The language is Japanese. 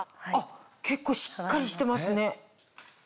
結構しっかりしてますね。